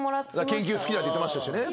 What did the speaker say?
研究好きだって言ってましたしね。